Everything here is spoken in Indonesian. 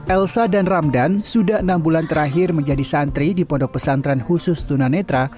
elsa dan ramdan sudah enam bulan terakhir menjadi santri di pondok pesantren khusus tunanetra